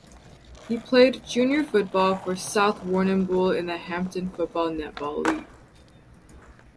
He played junior football for South Warrnambool in the Hampden Football Netball League.